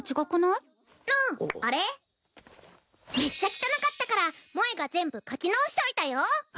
めっちゃ汚かったから萌が全部書き直しといたよっ！